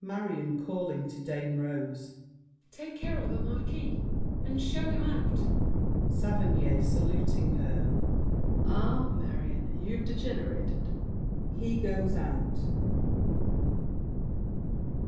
MARION (calling to Dame Rose). Take care of the Marquis, and show him out! SAVERNY (saluting her). Ah, Marion, you've degenerated! [He goes out.